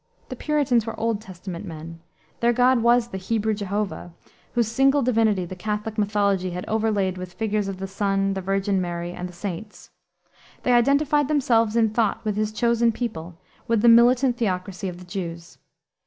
The Puritans were Old Testament men. Their God was the Hebrew Jehovah, whose single divinity the Catholic mythology had overlaid with the figures of the Son, the Virgin Mary, and the saints. They identified themselves in thought with his chosen people, with the militant theocracy of the Jews.